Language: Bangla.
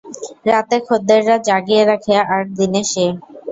রাতে খদ্দেররা জাগিয়ে রাখে আর দিনে সে!